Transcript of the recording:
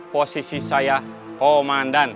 posisi saya komandan